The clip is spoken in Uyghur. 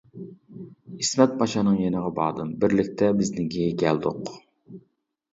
ئىسمەت پاشانىڭ يېنىغا باردىم، بىرلىكتە بىزنىڭكىگە كەلدۇق.